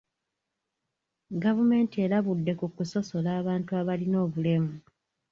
Gavumenti erabudde ku kusosola abantu abalina obulemu.